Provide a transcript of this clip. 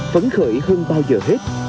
phấn khởi hơn bao giờ hết